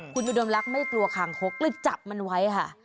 คุณอุดมลักษ์ไม่กลัวคางคกเลยจับมันไว้ค่ะ